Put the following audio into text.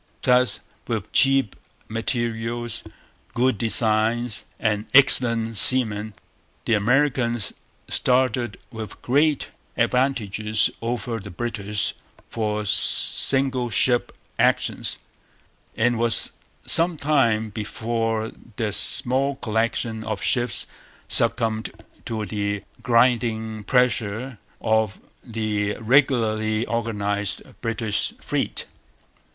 Thus, with cheap materials, good designs, and excellent seamen, the Americans started with great advantages over the British for single ship actions; and it was some time before their small collection of ships succumbed to the grinding pressure of the regularly organized British fleet.